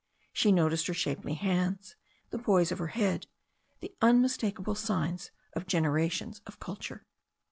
She noticed her shapely hands, the poise of her head, the unmistakable signs, of generations of culture.